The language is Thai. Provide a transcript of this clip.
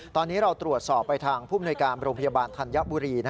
ตอนนี้เราตรวจสอบไปทางผู้มนุยการโรงพยาบาลธัญบุรี